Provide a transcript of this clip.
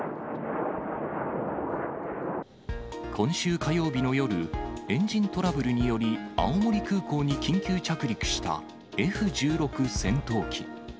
今週火曜日の夜、エンジントラブルにより青森空港に緊急着陸したＦ１６戦闘機。